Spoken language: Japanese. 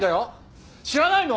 知らないの？